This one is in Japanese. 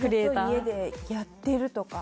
家でやってるとか？